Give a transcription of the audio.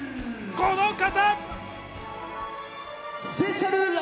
この方！